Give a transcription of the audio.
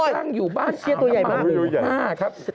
นั่นโอ๊ยตัวใหญ่มากอ้าวสร้างอยู่บ้านที่อ่ะครับ